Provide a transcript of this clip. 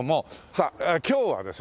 さあ今日はですね